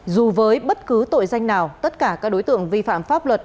dù với bất cứ tội danh nào tất cả các đối tượng vi phạm pháp luật